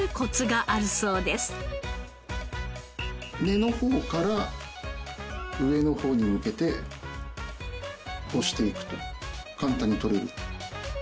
根の方から上の方に向けて押していくと簡単に取れる。